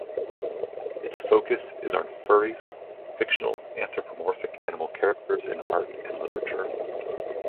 Its focus is on furries: fictional anthropomorphic animal characters in art and literature.